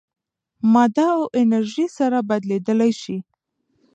ماده او انرژي سره بدلېدلی شي.